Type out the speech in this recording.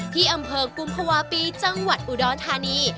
ที่อำเภอกุมภาวะปีจังหวัดอุดรธานี